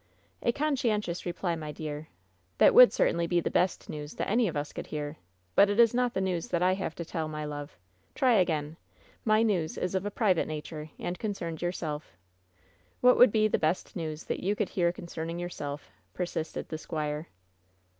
"A conscientious reply, my dear. That would cer tainly be the best news that any of us could hear. But it is not the news that I have to tell, my love. Try again. My news is of a private nature, and concerns yourself. What would be the best news that you could hear concerning yourself?" persisted the squire.